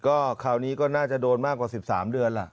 ก็คราวนี้ก็น่าจะโดนมากกว่า๑๓เดือนล่ะ